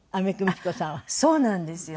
そうなんですよ。